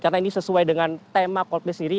karena ini sesuai dengan tema coldplay sendiri